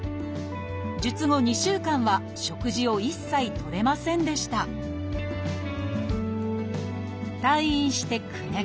術後２週間は食事を一切とれませんでした退院して９年。